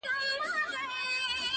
ن و’ قاف و’ يې و’ بې ښايسته تورې’